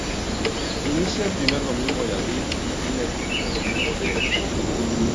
Inicia el primer domingo de abril y termina el último domingo de octubre.